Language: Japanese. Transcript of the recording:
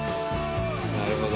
なるほど。